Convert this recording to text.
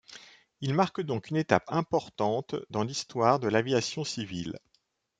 Il marque donc une étape importante dans l'histoire de l'aviation civile.